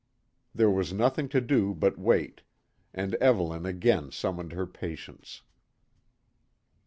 There was nothing to do but wait, and Evelyn again summoned her patience.